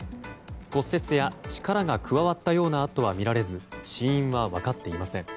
骨折や力が加わったような痕は見られず死因は分かっていません。